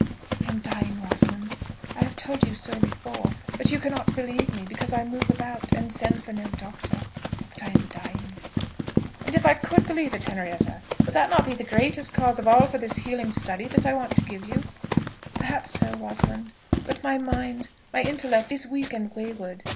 "I am dying, Rosalind. I have told you so before, but you cannot believe me because I move about and send for no doctor but I am dying." "And if I could believe it, Henrietta, would not that be the greatest cause of all for this healing study that I want to give you?" "Perhaps so, Rosalind; but my mind, my intellect, is weak and wayward.